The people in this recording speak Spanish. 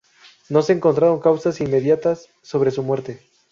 No se encontraron causas inmediatas sobre su muerte.